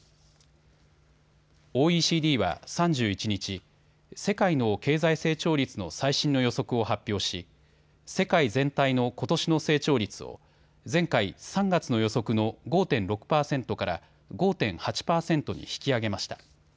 ＯＥＣＤは３１日、世界の経済成長率の最新の予測を発表し世界全体のことしの成長率を前回、３月の予測の５．６％から５．８％に引き上げました。